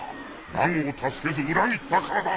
ナゴを助けず裏切ったからだ！